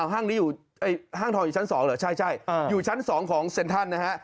ห้างทองอยู่ชั้น๒หรือใช่อยู่ชั้น๒ของเซ็นทรัลนะฮะ